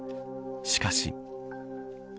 しかし。